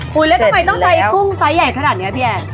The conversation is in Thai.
พูดแล้วทำไมต้องใช้กุ้งไซส์ใหญ่ขนาดเนี่ย